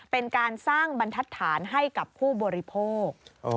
เป็นการสร้างบรรทัศน์ให้กับผู้บริโภค